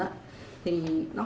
thì nó có những trường hợp